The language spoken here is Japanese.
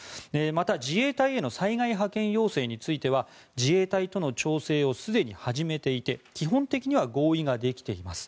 また、自衛隊への災害派遣要請については自衛隊との調整をすでに始めていて基本的には合意ができています